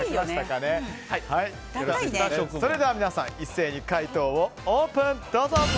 それでは皆さん一斉に解答をオープン！